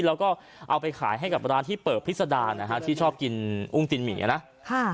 แล้วก็เอาไปขายให้กับร้านที่เปิบพิษดานะฮะที่ชอบกินอุ้งตินหมีนะค่ะ